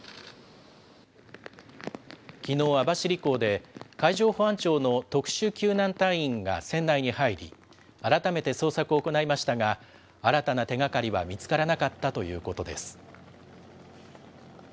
きのう、網走港で海上保安庁の特殊救難隊員が船内に入り、改めて捜索を行いましたが、新たな手がかりは見つからなかったということです。